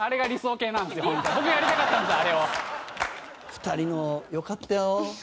２人のよかったよ。